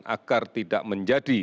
agar tidak menjadi